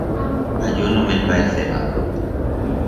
A yo no me'l paeceba.